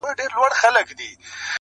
زه په لمبو کي د پتنګ میني منلی یمه،